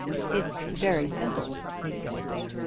"It's very simple," he said.